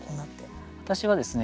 私はですね